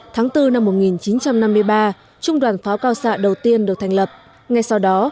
tháng bốn năm một nghìn chín trăm năm mươi ba trung đoàn pháo cao xạ đầu tiên được thành lập ngay sau đó